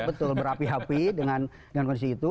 betul berapi api dengan kondisi itu